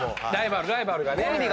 ライバルがね。